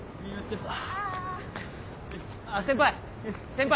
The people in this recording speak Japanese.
先輩！